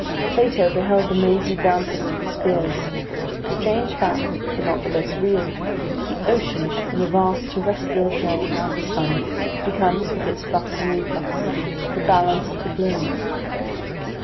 Plato beheld the mazy dances of the spheres. Strange fact, though not the less real, the ocean, in the vast terrestrial journey round the sun, becomes, with its flux and reflux, the balance of the globe.